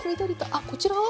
あっこちらは？